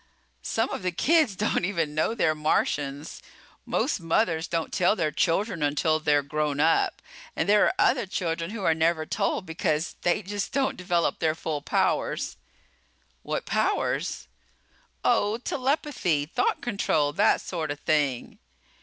"Some of the kids don't even know they're Martians. Most mothers don't tell their children until they're grown up. And there are other children who are never told because they just don't develop their full powers." "What powers?" "Oh, telepathy, thought control that sort of thing."